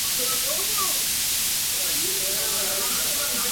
Los náufragos fueron recogidos por el "U-A".